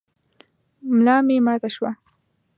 ملا مي ماته شوه .